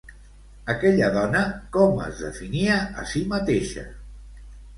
Aquella dona com es definia a si mateixa?